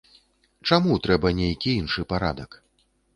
Чаму трэба нейкі іншы парадак?